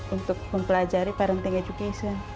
untuk mempelajari parenting education